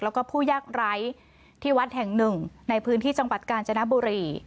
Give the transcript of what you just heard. แล้วก็ผู้ยากไร้ที่วัดแห่งหนึ่งในพื้นที่จังหวัดกาญจนบุรี